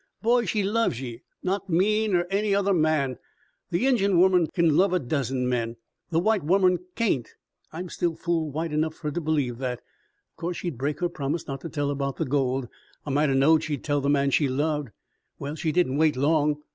"Boy, she loves ye not me ner that other man. The Injun womern kin love a dozen men. The white womern kain't. I'm still fool white enough fer to believe that. Of course she'd break her promise not to tell about the gold. I might 'a' knowed she'd tell the man she loved. Well, she didn't wait long.